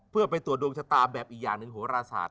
เพื่อไปตรวจดวงชะตาแบบอีกอย่างหนึ่งโหราศาสต